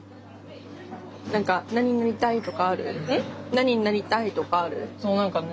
何になりたいとかある？